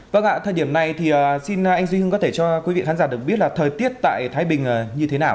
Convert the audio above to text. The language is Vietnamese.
vâng ạ thời điểm này thì xin anh duy hưng có thể cho quý vị khán giả được biết là thời tiết tại thái bình như thế nào